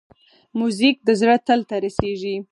موزیک د زړه تل ته رسېږي.